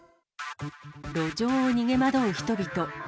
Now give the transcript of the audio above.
路上を逃げ惑う人々。